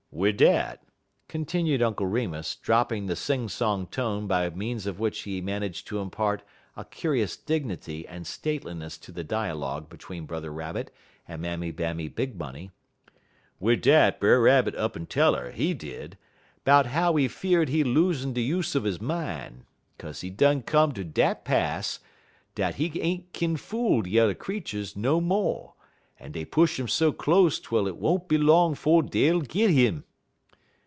"Wid dat," continued Uncle Remus, dropping the sing song tone by means of which he managed to impart a curious dignity and stateliness to the dialogue between Brother Rabbit and Mammy Bammy Big Money, "wid dat Brer Rabbit up'n tell 'er, he did, 'bout how he fear'd he losin' de use er he min', 'kaze he done come ter dat pass dat he ain't kin fool de yuther creeturs no mo', en dey push 'im so closte twel 't won't be long 'fo' dey'll git 'im.